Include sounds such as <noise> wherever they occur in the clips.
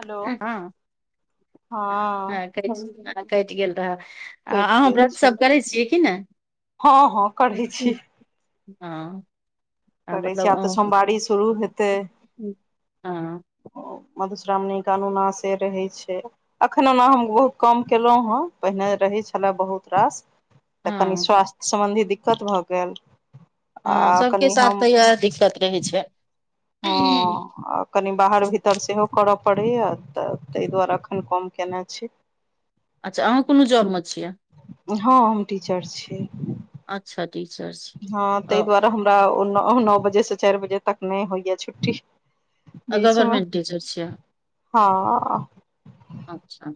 hello हँ हँ कटि गेल रह आ कटि अहाँ गेल व्रत सब छलै करै छियै कि नहि हँ हँ करै छी हँ आ करै छी मतलब आब तऽ अहाँ- सोमवारी शुरू हेतै हँ मधुश्रावणी क अनुनाशे रहै छै एखन ओना हम बहुत कम केलहुँ हेँ पहिने रहै छलए बहुत रास तऽ कनि हँ स्वास्थ्य सम्बन्धी दिक्कत भऽ गेल आ हँ सभके कनि साथ हम तऽ इएह दिक्कत रहै छै हँ आ कनि बाहर भीतर सेहो करऽ पड़ैय तऽ ताहि दुआरे एखन कम केने छी अच्छा अहाँ कोनो जॉबमे छियै हँ हम टीचर छियै अच्छा टीचर छियै ताहि ओ दुआरे हमरा नओ बजे से चारि बजे तक नहि होइया छुट्टी बीचमे गवर्मेंट टीचर छियै हँ अच्छा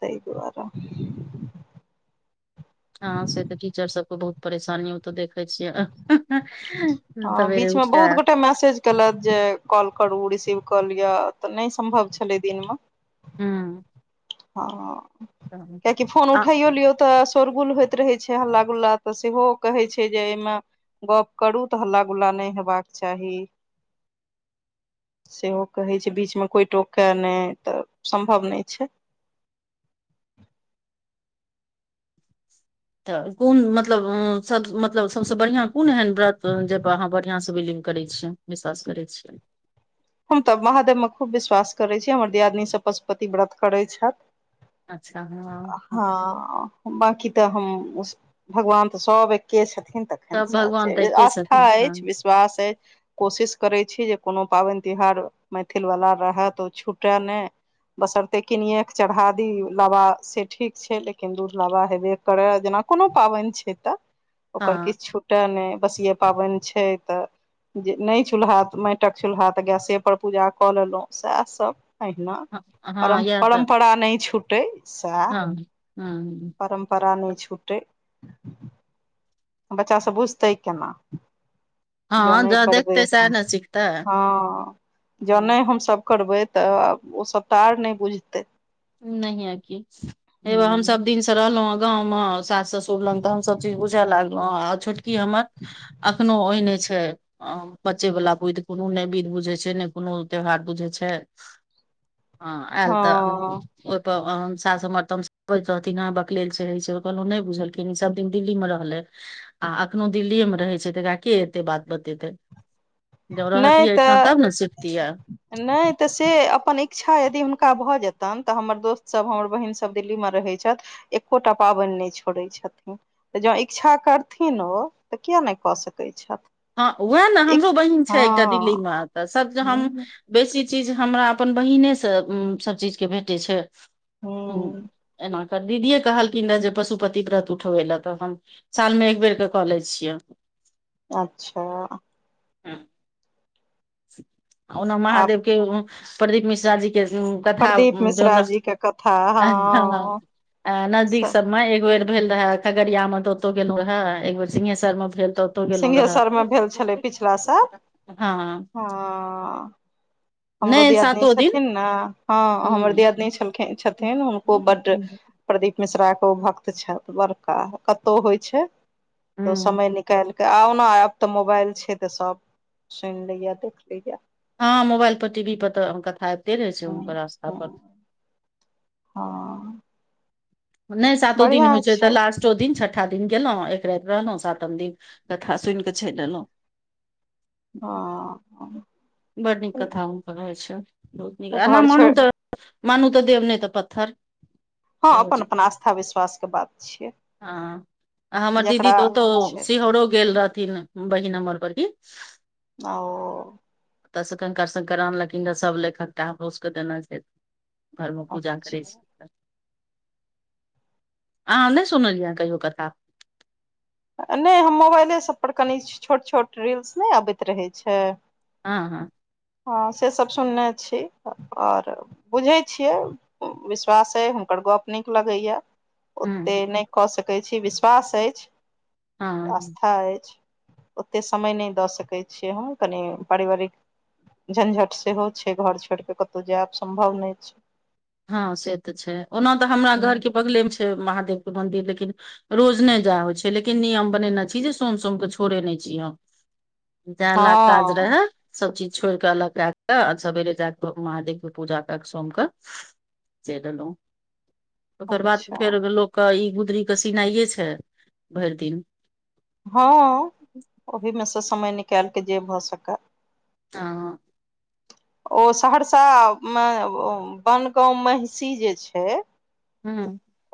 तै दुआरे हँ से तऽ टिचर सबके बहुत परेशानी ओ तऽ देखै छियै हँ सवेरे बीच मे उठि बहुत कऽ गोटाे मैसेज कलत जे कॉल करू रिसीव कऽ लिअ तऽ नहि सम्भव छलै दिनमे हँ हँ कियकि फोन आ उठाइयो लियो तऽ सोरगुल होेइत रहै छै हल्ला गुल्ला तऽ सेहो कहै छै जे एहिमे गप्प करू तऽ हल्ला गुल्ला नहि हेबाक चाही सेहो कहै छै बीच मे कोइ टोके नहि तऽ सम्भव नहि छै <inaudible> तऽ कोन मतलब मतलब सभसँ बढ़ियाँ कोन एहन व्रत जाहिपर अहाँ बढ़ियाँसँ विलिभ करैत छियै विश्वास करै छियै हम तऽ महादेवमे खूब विश्वास करैत छी हमर दियादनीसँ पशुपति व्रत करैत छथि अच्छा हँ हँ बकी तऽ हम भगवान तऽ सब एके छथिन सब भगवान तऽ एके आस्था छथिन हँ अछि विश्वास अछि कोशिश करैत छी जे कोनो पाबनि तिहार मैथिल वाला रह त ओ छुटए नहि बसरते किनिये के चढ़ा दी लाबा से ठीक छै लेकिन दूध लाबा हेवे के कर जेना कोनो पाबैन छै तऽ ओकर हँ किछु नहि बसिये पाबैन छै तऽ जे नहि चूल्हा माटिक चूल्हा तऽ गैसे पर पूजा कऽ लेलहुँं सएह सब अहिना हँ हँ, परम इएह तऽ परम्परा नहि छुटै सएह हँ हँ परम परा नहि छूटै ब्चा से बुस्तै केना हँ जनै ज करबै देखतै ह सएह ने सिखतै हँ हँ, जनै हमसभ करबै तऽ ओ सभ त आच नहि बुझतै नय हे की एगो हम सब दिन तो रहलहुँ गाँंव मे सास ससुर लग तऽ हम सभ चीज बुझए लागलहु आ छोटकी हमर एखनोहु ओहि नहि छै आ बच्चेवला विध कोनो नहि बिध बुझै छै नहि कोनो त्योहार बुझै छै ह एल तऽ हँ ओहिप साास हमर तमसबैत रहथिन आहा बकलेल चे छै कहल नहि बुझल सब दिन दिल्ली मे रहलै आ एखनो दिल्लीए मे रहै छै तऽकरा के एते बात बतेतै जब नहि रहतियै एहिठाम तऽ तब ने सिखतियै नहि तऽ से अपन इच्छा यदि हुनका भऽ जेतनि तऽ हमर दोस्त सब हमर बहिन सब दिल्ली मे रहै छथि एकोटा पाबैन नहि छोड़ै छथिन तऽ जँ इच्छा करथिन ओ तऽ किए नहि कऽ सकैत छथि हँ वएह ने हमरो बहिन छै एकटा दिल्ली हँ मे तऽ सब हम बेसी चीज हमरा अपन बहिने से सब चीज के भेटे छै ह <unintelligible> दीदिए कहलखिन ने जे पशुपत प्रत उठबै लए तऽ हम सालमे एक बेर के कऽ ले छियै अच्छा <inaudible> ओना आब महादेव के प्रदीप मिश्रा जी के तथा प्रदीप ज मिश्रा जी के कथा हँ नजदीक सब <unintelligible> एक बेर भेल रहे खगड़िया मे तऽ ओतो गेलहु रहे एक बेेर सिंहेशसर में भेल त त गलो रहा सिंहेश्वर मे भेल छलै पिछला साल हँ हँ हमरो नहि दियादिन सातो दिन छथिन ने हँ हमर हूँ दियादनीखिन छथिन हुनको बड्ड प्रदीप मिश्रा के ओ भक्त छथि बड़का कतौ होइ छै तऽ ओ हूँ समय निकाल आउना आब तऽ मोबाइल छै तऽ सब सुनि लैय देख लैए हँ मोबाइल पर टी वी पर तऽ कथा आबिते रहे छै हँ हुनकर आस्था पर हँ हँ नहि सातो दिन होइ छै त लास्ट चो दिन छठा दिन गेलो एक राति रहलहुँ सातम दिन कथा सुनि कऽ चलि एलहुँ हँ बड नीक कथा भूनकर रहै छै बहुत नीक आना घर मनू छोड़ तऽ मनू तऽ देव ने तऽ पत्थर हँ सेहो अपन अपन छै आस्था विश्वास के बात छियै हँ आ हमर दीदी जकरा ओतो छै सिहरो गेल रहथिन बहिन हमर बरकी आ ओ तऽ कं शकर आनलखिन रहऽ सब लेखक टा हमरोसके देना छै घर मे <inaudible> पूजा करै अच्छा छी आहाँ नै अच्छा सुनलियै कहि कथा नै हम मोबाइले सब पर कनि छोट छोट रील्स नहि अबैत रहै छै हँ हँ हँ से सब सुनने छी आओर बुझैत छियै विश्वास अए हुनकर गप्प नीक लगैए हूँ ओतेक नै कऽ सकैत छी विश्वास अछि हँ आस्था अछि <inaudible> ओतेक समय नहि दऽ सकैत छियै हम कनि पारिवारिक झंझट सेहो छै घर छोड़ केँ कतै जायब सम्भव नहि छै हँ से तऽ छै ओना तऽ हमरा घर केँ बगलेमे छै महादेव केँ मन्दिर लेकिन रोज नहि जा होइ छै लेकिन नियम बनेने छी जे सोम सोम के छोड़े नहि छी हम ज लाग काज हँ रहै सब चीज छोड़ कऽ अलग कै कऽ आ सबेरे जा कऽ महादेव केँ पूजा कै कऽ सोम कऽ <inaudible> चैल अलौ <inaudible> ओकर बाद अच्छा फेर गेलों केँ इ गुदरी केँ सीनाए छै भैर दिन हँ <inaudible> ओहिमे सँ समय निकालइ कऽ जे भऽ सकए <unintelligible> ओ सहरसा मऽ वनगाँव महिषी जे छै हू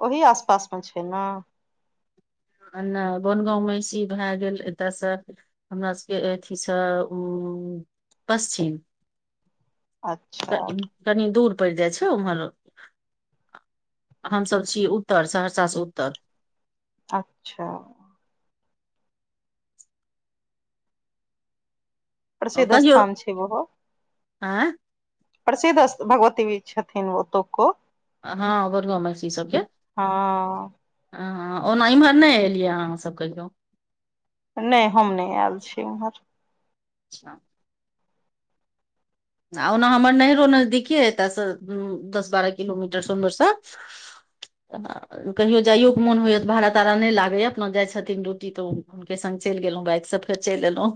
ओहि आसपास मऽ छै न आ नहि बनगाँव महिषी भै गेल एतयसँ हमरा सब केँ अथीसँ उ पश्चिम <inaudible> अच्छा कनि दूर पड़ि जाइ छै उम्हर हमसभ छी उत्तर सहरसा सँ उत्तर अच्छ प्रसिद्ध कहियौ स्थान छै ओहो आँय <inaudible> प्रसिद्ध भगवती छथिन ओतुको हँ वनगाँव महिषी सभकें हँ ह ओना इम्हर नहि एलिए अहाँसभ कहियौ नै हम नहि ऐल छी उम्हर अच्छ आ ओना हमर नैहरो नजदीकी एतय सऽ दस बारह किलोमीटर सोनवर्षा <inaudible> कहियो जाइयो के मोन होइएा तऽ भाड़ा ताड़ा नहि लागैए अपना जाइ छथिन ड्यूटी तऽ हुनकेँ संग चैल गेलहुँ बाइकसँ फेर चैल एलहुँ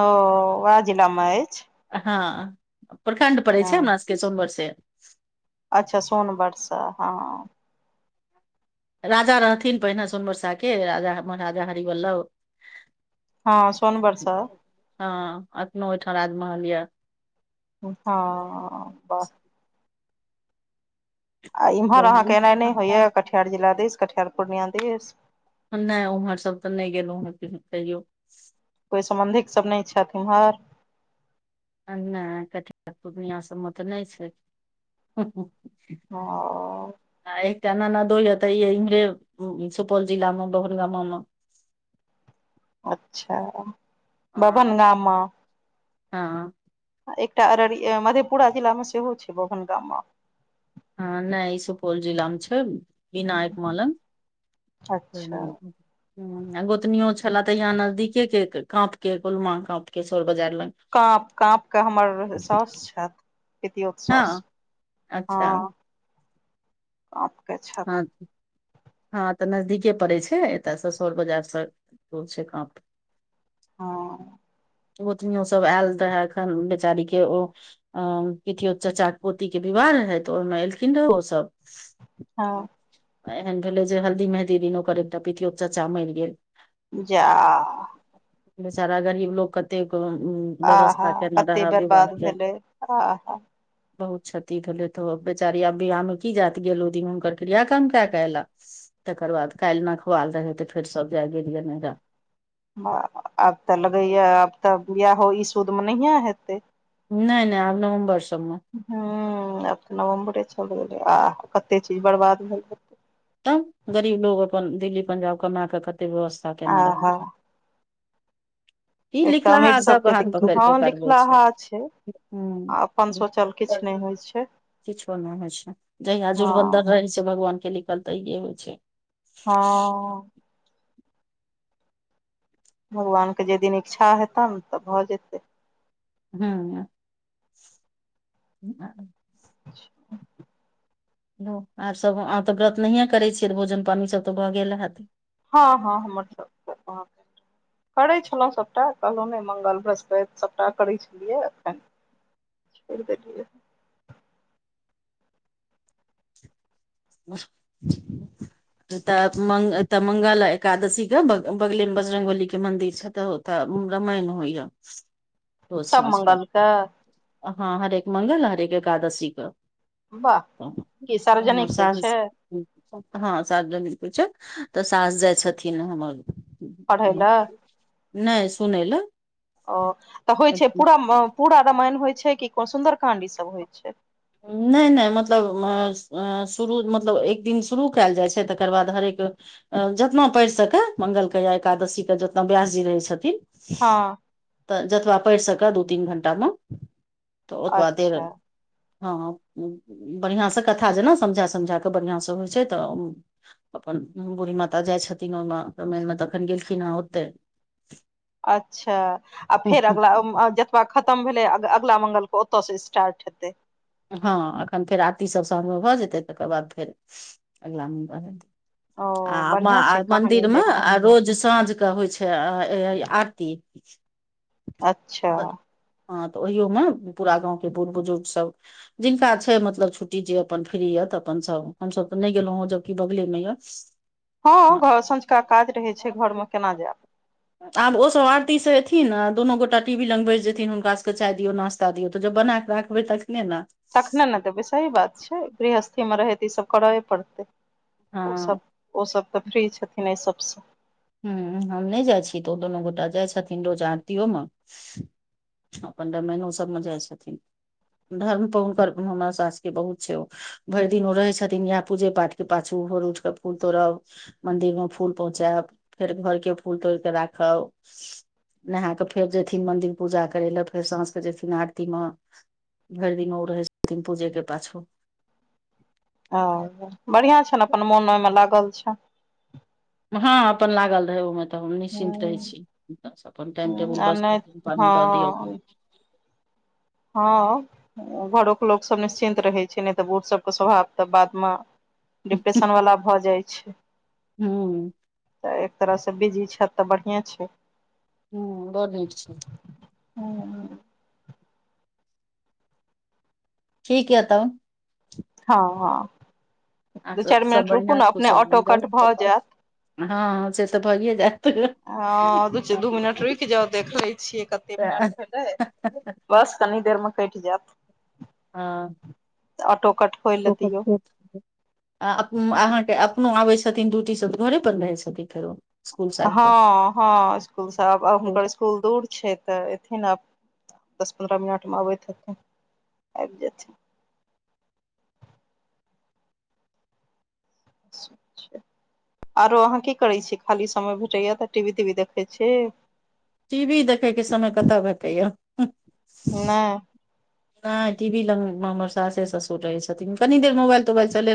ओ वैह जिला मऽ अछि हँ प्रखण्ड पड़ैत छै हमर सभ केँ सोनवर्षे अच्छ सोनबरसा हँ राजा रहथिन पहिने सोनबरसा के राजा महाराजा हरिवल्लभ हँ सोनबरसा हँ एखनो ओहिठाम राजमहल यऽ हँ बाह आ इम्हर अहाँकेँ एनाइ नहि होइए कटिहार जिला दिस कटिहार पूर्णिया दिस नहि ओम्हर सब तऽ नहि गेलहुँ हँ कैयो कोइ सम्बन्धिक सब नहि छथि एम्हर नहि क पूर्णिया सभमे तऽ नहि छै ओ आ एकटा नाना दो य त य इम्हरे सुपौल जिला मे बहन गामा मे अच्छा हँ बभन गामा हँ एकटा अरर मधेपुरा जिला मे सेहो छै बभन गामा हँ नहि ई सुपौल जिलामे छै विनायक मे मलन अच्छा हूंम्म गोतनी छले तऽ यहा नजदीके के काँप के गुलमा काँप के सोर बाजार लग काँप काँप के हमर सउस छथि पिटोअत सौस हँ अच्छा हँ अ कह छै हँ तऽ नजदीके पड़े छै एतय स सौर बाजारसँ छै कप हँ ओतनियो सब आयल रहय एखन बेचारी के ओ अ को चचा पोती के विवाह रहै तऽ ओहिमे एलखिन रहे ओसभ हँ एहन भेलै जे हल्दी मेहदी दिन ओकर एकटा पितियोत चाचा मरि गेल जा सारा गरीब लोक एतेक आहा व्यवस्था केना कते रहै विवाह बर्बाद के भेलै आहा बहुत क्षति भेलै तऽ बेचारी आब बियाह मे की जात गेल ओ दिनमे हुनकर क्रिया काम कऽ कऽ एलक तकर बाद काल्हि नखवाल रहै तऽ फेर सभ जाय गेलियै नहिरा आब तऽ लगैये आब तऽ बिआहो ई सुदमे नहिए हेतै नहि नहि आब नवम्बर सबमे हूँ आब तऽ नवम्बरे चलि गेलै आ कतेक चीज बर्बाद भेलै तब गरीब लोग अपन दिल्ली पंजाब कमा कऽ कते व्यवस्था केने रहबै आहा ई एकटा अमीर लिखलाहा सब सबके दिक्कत हँ लिखलाहा छै हूंम्म आ अपन सोचल किछु नहि होइत छै किछो नहि होइ छै जहिया जुरबन्दर हँ रहै छै भगवानके लिखल तहियए होइ छै हँ भगवानके जै दिन इच्छा हेतनि तऽ भऽ जेतै हूंम्म हँ अच्छा <inaudible> आर सभ आब तऽ व्रत नहियए करैत छियै तऽ भोजन पानि सभ तऽ भऽ गेल रहत हँ हँ हमर सब भऽ गेल करै छलहुँ सभटा कहलहुँ नहि मङ्गल बृहस्पति सभटा करै छलियै एखन छोड़ि देलियै <inaudible> तऽ मं तऽ मंगल एकादशी के बगले मे बजरंगबली के मंदिर छै तऽ तऽ रामायण होइय रोज सब साँस कऽ मंगलके हँ हरेक मंगल हरेक एकादशी कऽ वाह त <inaudible> की सार्वजनिक होइ छै हँ सार्वजनिक होइ छै तऽ सास जाइ छथिन हमर पढ़य लए नहि सुनै लए ओ तऽ होइ छै पूरा पूरा रामायण होइ छै कि को सुन्दर काण्ड ईसभ होइ छै नहि नहि मतलब शुरू मतलब एक दिन शुरू कयल जाइ छै तकर बाद हरेक जतना पैरह सके मंगल के या एकादशी के जतना व्यास जी रहै छथिन हँ तऽ जतबा पढ़ि सकए दू तीन घंटामे तऽ ओतबा देर अच्छा हँ बढ़िआँसँ कथा जेना समझा समझा कऽ बढ़िआँसँ होइ छै तऽ अपन बूढ़ी माता जाइ छथिन ओहिमे क मनमे तखन गेलखिन हेँ ओते अच्छा आ फेर अगला खतम भेलै अगला मंगल के ओतय से स्टार्ट हेतै हँ एखन फेर आरती सब साँझमे भऽ जेतै तकर बाद फेर अगिला मंगल ओ बढ़ियां आ छै कहानी मदिर मे जकाँ आ रोज साँझ के होइ छै आरती <unintelligible> अच्छा ह तऽ ओहियो में पूरा गाँंव के बुढ़ बुजुर्ग सब जिनका छै मतलब छुट्टी जे अपन फ्री य तऽ अपन सब हमसभ तऽ नहि गेलो हें जबकि बगले मे ये <inaudible> हँ घ सँझुका काज रहैत छै घरमे केना जायब आब ओसभ आरती से एथिन दुनू गोटा टी वी लग बैस जेथिन हुनकाके चाय दियौ नास्ता शादी हो तऽ जो बना कऽ राखबै तखने ने तखने ने देबै सही बात छै गृहस्थीमे रहै तऽ ईसभ करबे पड़तै हँ ओसभ ओ सब तऽ फ्री छथिन एहि सबसँ ह हम नहि जाइ छी तऽ दुनू गोटा जाइ छथिन रोज आरतीयो मे अपन रामायण ओ सबमे जाइ छथिन धर्म पर हुनकर हमरा सासके बहुत छै ओ भरि दिन ओ रहै छथिन यह पूजे पाठ के पाछू भर उठ कऽ फूल तोड़ब मंदिर मे फूल पहुँचायब फेर घर के फूल तोड़ केे राखब नहा कऽ फेर जयथिन मन्दिर पूजा करय लए फेर साँझके जयथिन आरती मे भरि दिन ओ रहै छथिन पूजे के पाछु ओ बढ़िआँ छनि अपन मोन ओहिमे लागल छनि हँ अपन लागल रहै ओमे तऽ हम निश्चिन्त रहै छी ब अपन टाइम टेबुल ह आ बस नहि पानि दऽ दियौ हँ हँ घरो के लोक सब निश्चिन्त रहै छै नहि तऽ बूढ़ सबके स्वभाव तऽ बादमे डिप्रेशन वालला भऽ जाइ छै हँ तऽ एक तरह से बिजी छै तऽ बढ़िए छै हू बर नीक छै ह <unintelligible> ठीक य तब हँ हँ आ दू सब चैर सब मिनट रुकू बढ़िआँ ने अपने कुशल ऑटो कट भऽ मंगल जायत हँ से तऽ भैए जात ह दू मिनट रुकि जाउ देख लै छियै कते मिनट भेलै बस कनी देर मे कटि जायत हँ त ऑटो कट खोलि ले दियौ <unintelligible> <inaudible> आ अहाँके अपनो आबै छथिन ड्यूटी सभ घरे पर रहै छथिन फेरो स्कुल साइड पर हँ हँ इसकुलसँ आब हुनकर इसकुल दूर छै तऽ एथिन आब दस पन्द्रह मिनट मे अबैत हेथिन आबि जाथिन आरो अहाँ की करै छी खाली समय भेटैया तऽ टी वी ती वी देखै छी टी भी देखेके समय कत भ या नहि नहि टी वी लग मे हमसासे ससुर रहे छथिन कनी देर मोबाइल तोबाइल चल